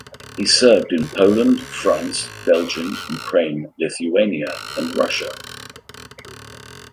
He served in Poland, France, Belgium, Ukraine, Lithuania and Russia.